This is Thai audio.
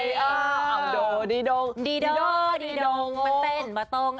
ดิโดดิโดดิโดดิโดมันเต้นมาตรง